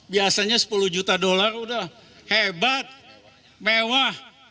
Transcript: biasanya sepuluh juta dolar udah hebat mewah